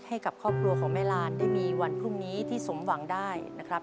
ให้กับครอบครัวของแม่ลานได้มีวันพรุ่งนี้ที่สมหวังได้นะครับ